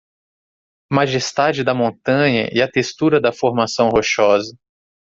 A majestade da montanha e a textura da formação rochosa